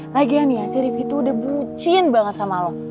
lagian ya si rif itu udah bucin banget sama lo